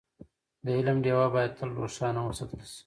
د علم ډېوه باید تل روښانه وساتل شي.